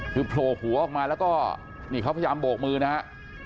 คือโผล่หัวออกมาแล้วก็นี่เขาพยายามโบกมือนะฮะ